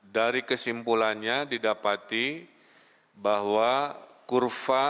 dari kesimpulannya didapati bahwa kurva